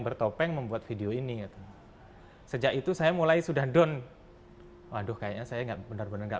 bertopeng membuat video ini sejak itu saya mulai sudah down waduh kayaknya saya enggak benar benar enggak